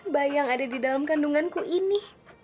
bayang ada di dalam kandunganku ini